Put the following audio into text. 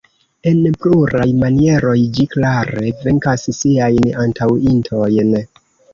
En pluraj manieroj, ĝi klare venkas siajn antaŭintojn.